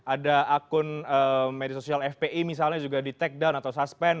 ada akun media sosial fpi misalnya juga di take down atau suspend